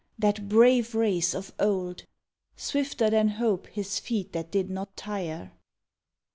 that brave race of old Swifter than hope his feet that did not tire.